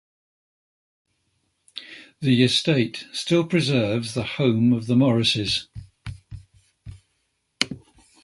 The estate still preserves the home of the Morrises.